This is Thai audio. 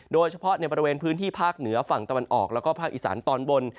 โดยเฉพาะในบริเวณพื้นที่ภาคเหนือฝั่งตะวันออกแล้วก็ภาคอีสานตอนบน